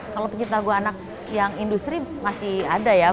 kalau pencipta lagu anak yang industri masih ada ya